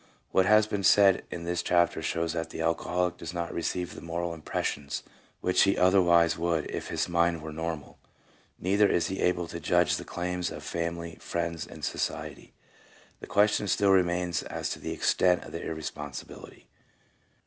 What has been said in this chapter shows that the alcoholic does not receive the moral impressions which he otherwise would if his mind were normal; neither is he able to judge the claims of family, friends, and society. The question still remains as to the extent of the irresponsibility.